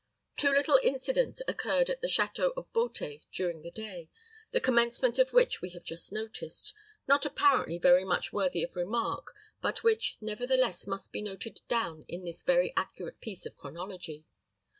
Two little incidents occurred at the château of Beauté during the day, the commencement of which we have just noticed, not apparently very much worthy of remark, but which, nevertheless, must be noted down in this very accurate piece of chronology.